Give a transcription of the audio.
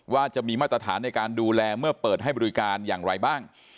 ว่าจะมีมาตรฐานในการดูแลเมื่อเปิดให้บริการอย่างไรบ้าง